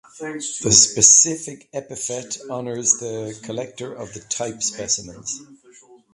The specific epithet honours the collector of the type specimens.